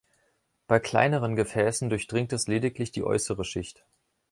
Bei kleineren Gefäßen durchringt es lediglich die äußere Schicht.